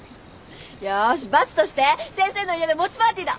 よーし罰として先生の家で餅パーティーだ！